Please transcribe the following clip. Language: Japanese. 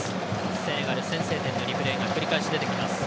セネガル、先制点のリプレーが繰り返し出てきます。